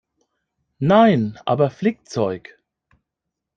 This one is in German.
Nein, aber Flickzeug.